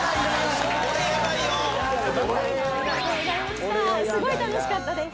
すごい楽しかったです